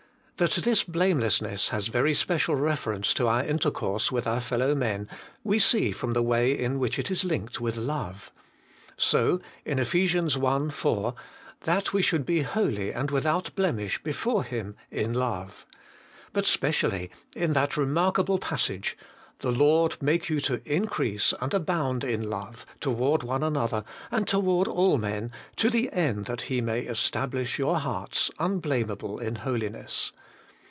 That this blamelessness has very special reference to our intercourse with our fellow men we see from the way in which it is linked with love. So in Eph. i 4, ' That we should be holy and without blemish before Him in love.' But specially in that remarkable passage :' The Lord make you to increase and abound in love toward one another, and toward all men, to the, end He may establish your hearts unblameable in holiness.'